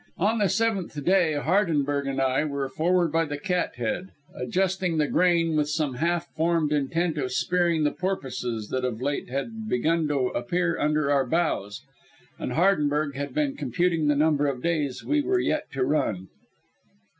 On the seventh day Hardenberg and I were forward by the cat head, adjusting the grain with some half formed intent of spearing the porpoises that of late had begun to appear under our bows, and Hardenberg had been computing the number of days we were yet to run.